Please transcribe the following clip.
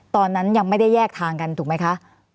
ตอนนั้นยังไม่ได้แยกทางกันถูกไหมคะ